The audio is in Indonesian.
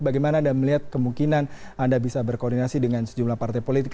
bagaimana anda melihat kemungkinan anda bisa berkoordinasi dengan sejumlah partai politik